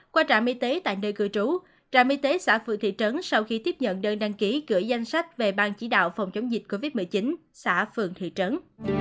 qua trạm y tế tại nơi cư trú trạm y tế xã phượng thị trấn sau khi tiếp nhận đơn đăng ký gửi danh sách về bang chỉ đạo phòng chống dịch covid một mươi chín xã phường thị trấn